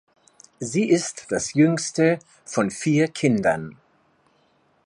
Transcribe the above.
Sie ist das jüngste von vier Kindern.